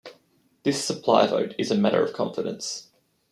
This "supply" vote is a matter of confidence.